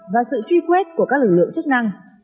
và sự truy quét của các lực lượng chức năng